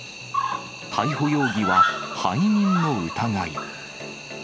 逮捕容疑は背任の疑い。